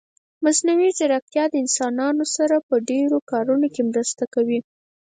مصنوعي ځيرکتيا له انسانانو سره په ډېرو کارونه کې مرسته کوي.